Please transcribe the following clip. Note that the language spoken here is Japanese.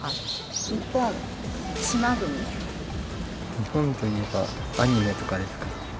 日本といえばアニメとかですかね。